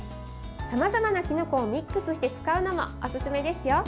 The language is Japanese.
さまざまなきのこをミックスして使うのもおすすめですよ。